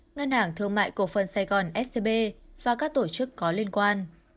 ngân hàng thương mại cổ phần sài gòn scb và các tổ chức có liên quan